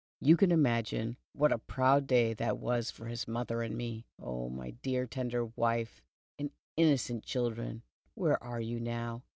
You can imagine what a proud day that was for his mother and me. Oh, my tender wife, and innocent children, where are you now